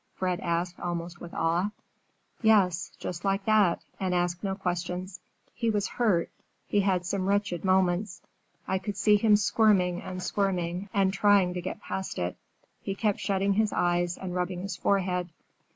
Fred asked, almost with awe. "Yes, just like that, and asked no questions. He was hurt; he had some wretched moments. I could see him squirming and squirming and trying to get past it. He kept shutting his eyes and rubbing his forehead.